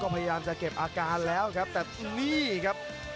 พยายามจะเก็บอาการแล้วครับแต่นี่ครับ